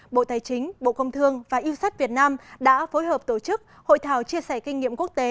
bộ tài chính bộ công thương và yêu sách việt nam đã phối hợp tổ chức hội thảo chia sẻ kinh nghiệm quốc tế